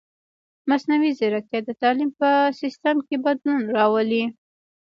مصنوعي ځیرکتیا د تعلیم په سیستم کې بدلون راولي.